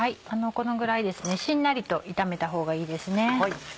このぐらいしんなりと炒めたほうがいいですね。